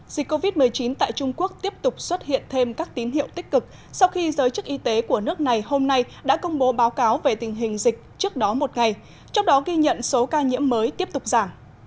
dịch covid một mươi chín tại trung quốc tiếp tục xuất hiện thêm các tín hiệu tích cực sau khi giới chức y tế của nước này hôm nay đã công bố báo cáo về tình hình dịch trước đó một ngày trong đó ghi nhận số ca nhiễm mới tiếp tục giảm